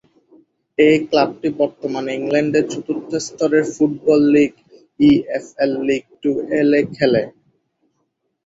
এই ক্লাবটি বর্তমানে ইংল্যান্ডের চতুর্থ স্তরের ফুটবল লীগ ইএফএল লীগ টু-এ খেলে।